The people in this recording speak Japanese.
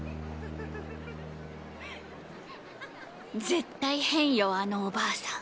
絶対変よあのお婆さん。